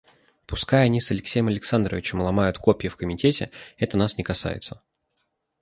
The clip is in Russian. Пускай они с Алексеем Александровичем ломают копья в комитете, это нас не касается.